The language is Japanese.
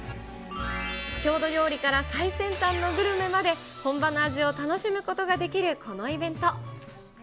郷土料理から最先端のグルメまで、本場の味を楽しむことができるこのイベント。